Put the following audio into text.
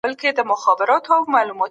د کور چاپیریال باید پاک وساتل شي.